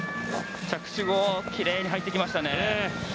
着地後きれいに入ってきましたね。